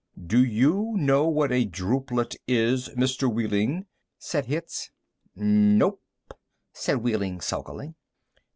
Do you know what a drupelet is, Mr. Wehling?" said Hitz. "Nope," said Wehling sulkily.